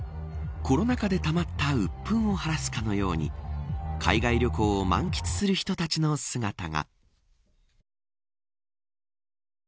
コロナ禍でたまった鬱憤を晴らすかのように海外旅行を満喫する人たちの姿が。